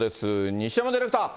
西山ディレクター。